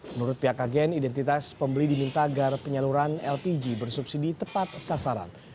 menurut pihak agen identitas pembeli diminta agar penyaluran lpg bersubsidi tepat sasaran